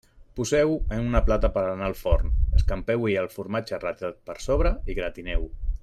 Poseu-ho en una plata per a anar al forn, escampeu-hi el formatge ratllat per sobre i gratineu-ho.